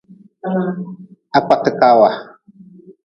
Ha kpati kaawa.